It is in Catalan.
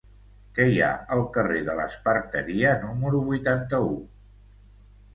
Què hi ha al carrer de l'Esparteria número vuitanta-u?